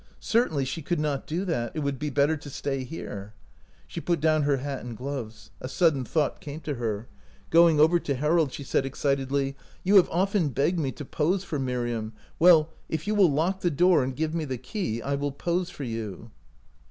Certainly she could not do that ; it would be better to stay here. She put down her hat and gloves. A sudden thought came to her. Going over to Harold, she said excit edly, " You have often begged* me to pose for Miriam ; well, if you will lock the door and give me the key, I will pose for you."